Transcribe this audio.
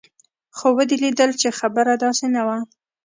خو ودې ليدل چې خبره داسې نه وه.